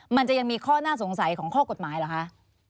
มันจะยังมีข้อน่าสงสัยของข้อกฎหมายเหรอคะ